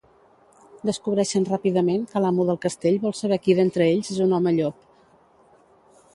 Descobreixen ràpidament que l'amo del castell vol saber qui d'entre ells és un home llop.